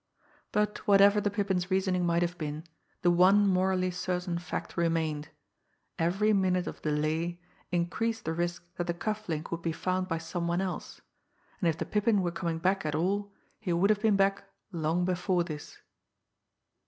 But whatever the Pippin's reasoning might have been, the one morally certain fact remained every minute of delay increased the risk that the cuff link would be found by some one else, and if the Pippin were coming back at all he would have been back long before this.